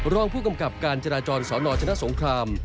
รองผู้กำกับการจราจรสนชนะสงคราม